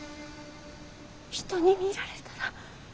人に見られたら。